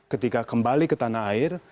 ketika kembali ke tanah air